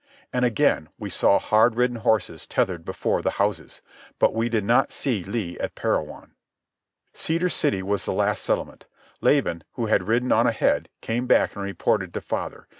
And again we saw hard ridden horses tethered before the houses. But we did not see Lee at Parowan. Cedar City was the last settlement. Laban, who had ridden on ahead, came back and reported to father.